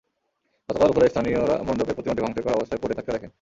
গতকাল ভোরে স্থানীয়রা মণ্ডপের প্রতিমাটি ভাঙচুর করা অবস্থায় পড়ে থাকতে দেখেন।